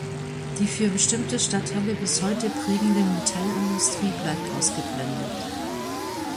Die für bestimmte Stadtteile bis heute prägende Metallindustrie bleibt ausgeblendet.